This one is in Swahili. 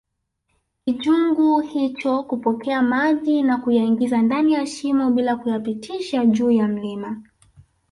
kijungu hicho kupokea maji na kuyaingiza ndani ya shimo bila kuyapitisha juu ya mlima